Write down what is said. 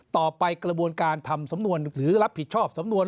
กระบวนการทำสำนวนหรือรับผิดชอบสำนวน